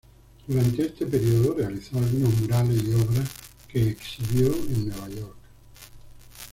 Durante este periodo realizó algunos murales, y obras que exhibió en Nueva York.